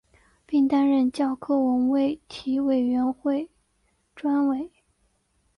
并担任教科文卫体委员会专委。